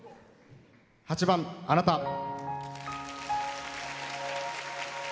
８番「あなた。」。